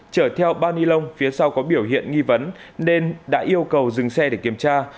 chở theo ba ni lông phía sau có biểu hiện nghi vấn nên đã yêu cầu dừng xe để kiểm tra